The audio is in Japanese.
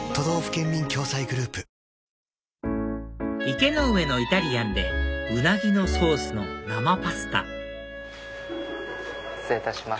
池ノ上のイタリアンでウナギのソースの生パスタ失礼いたします。